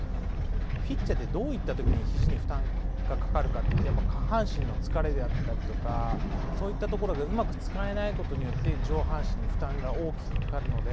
ピッチャーって、どういったときにひじに負担がかかるっていったら、やっぱ下半身の疲れであったり、そういったところで、うまく使えないことによって、上半身に負担が大きくかかるので。